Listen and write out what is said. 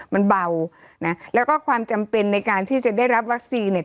มันเบานะแล้วก็ความจำเป็นในการที่จะได้รับวัคซีนเนี่ย